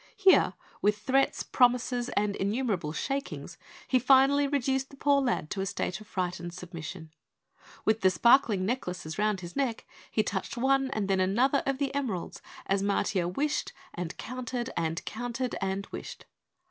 Here, with threats, promises and innumerable shakings, he finally reduced the poor lad to a state of frightened submission. With the sparkling necklaces round his neck, he touched one and then another of the emeralds as Matiah wished and counted and counted and wished.